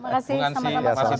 terima kasih sama sama